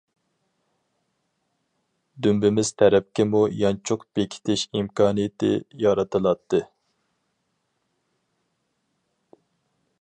دۈمبىمىز تەرەپكىمۇ يانچۇق بېكىتىش ئىمكانىيىتى يارىتىلاتتى.